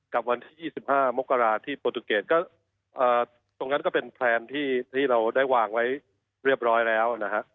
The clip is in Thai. กับวันที่๒๕มกราที่โปรตูเกตก็ตรงนั้นก็เป็นแพลนที่เราได้วางไว้เรียบร้อยแล้วนะฮะ